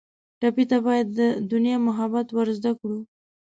ټپي ته باید له دنیا محبت ور زده کړو.